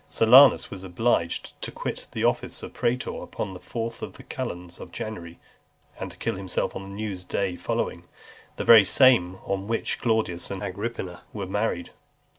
Silanus was obliged to quit the office of praetor upon the fourth of the calends of January [29th Dec.], and to kill himself on new year's day following, the very same on which Claudius and Agrippina were married.